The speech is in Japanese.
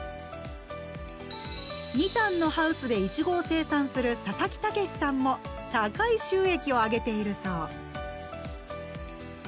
２反のハウスでいちごを生産する佐々木毅さんも高い収益を上げているそう。